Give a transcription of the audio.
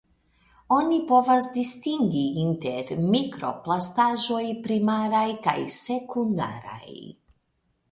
Oni povas distingi inter mikroplastaĵoj primaraj kaj sekundaraj.